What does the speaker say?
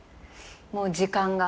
もう時間が？